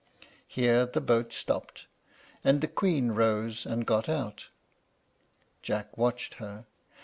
] Here the boat stopped, and the Queen rose and got out. Jack watched her.